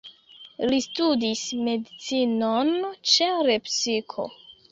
Li studis medicinon ĉe Lepsiko.